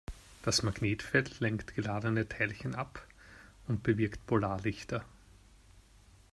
Das Magnetfeld lenkt geladene Teilchen ab und bewirkt Polarlichter.